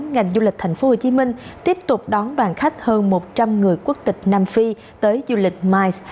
ngành du lịch tp hcm tiếp tục đón đoàn khách hơn một trăm linh người quốc tịch nam phi tới du lịch miles